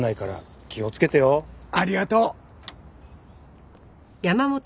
ありがとう。